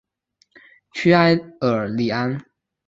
屈埃尔里安。